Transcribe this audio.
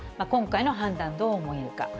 今回の判断、どう思えるか。